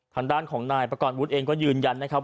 ทางด้านของนายประกอบวุฒิเองก็ยืนยันนะครับ